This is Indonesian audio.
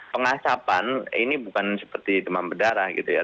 pengasapan ini bukan seperti demam berdarah gitu ya